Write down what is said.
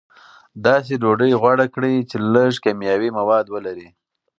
داسې ډوډۍ غوره کړئ چې لږ کیمیاوي مواد ولري.